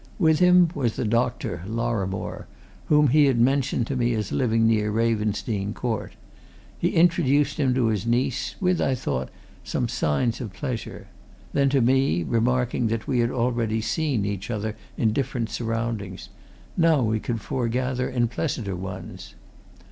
With him was the doctor, Lorrimore, whom he had mentioned to me as living near Ravensdene Court. He introduced him to his niece, with, I thought, some signs of pleasure; then to me, remarking that we had already seen each other in different surroundings now we could foregather in pleasanter ones.